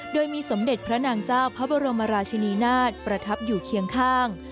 โดยมีสมเด็จพระนางเจ้าพระบรมราชินีนาฏประทับอยู่เคียงข้าง